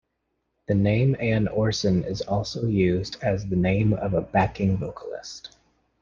The name Ann Orson is also used as the name of a backing vocalist.